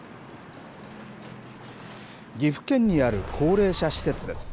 岐阜県にある高齢者施設です。